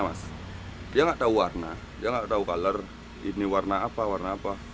dia tidak tahu warna dia tidak tahu warna ini warna apa warna apa